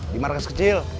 di markas kecil